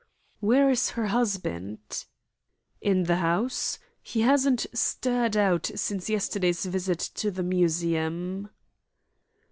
"Where is her husband?" "In the house. He hasn't stirred out since yesterday's visit to the Museum."